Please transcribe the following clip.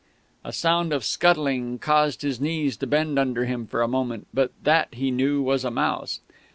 A sound of scuttling caused his knees to bend under him for a moment; but that, he knew, was a mouse.